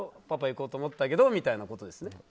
パパ行こうと思ったけどみたいなことですよね。